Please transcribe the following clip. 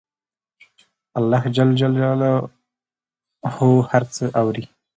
الله ج هر څه اوري